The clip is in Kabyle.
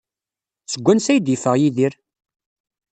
Seg wansi ay d-yeffeɣ Yidir?